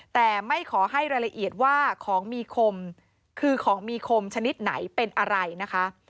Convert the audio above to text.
แต่ไม่ขอให้รายละเอียดว่าของมีคมคือของมีคมชนิดไหนเป็นอะไรนะคะ